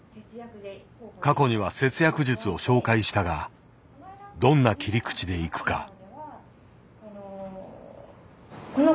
過去には節約術を紹介したがどんな切り口でいくか。